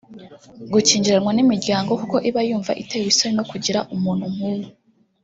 gukingiranwa n’imiryango kuko iba yumva itewe isoni no kugira umuntu nk’uwo